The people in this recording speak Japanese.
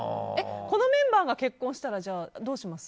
このメンバーが結婚したら、どうします？